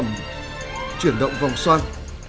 tác phẩm chuyển động vòng xoan